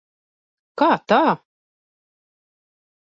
Kā tā?